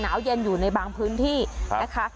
หนาวเย็นอยู่ในบางพื้นที่นะคะ